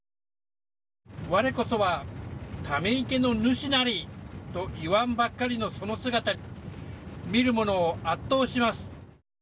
我こそはため池の主なりといわんばかりのその姿に見る者を圧倒します。